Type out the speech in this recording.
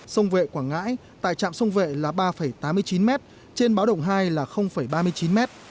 sông vệ quảng ngãi tại trạm sông vệ là ba tám mươi chín m trên báo động hai là ba mươi chín m